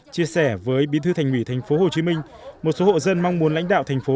chia sẻ với bí thư thành ủy tp hcm một số hộ dân mong muốn lãnh đạo thành phố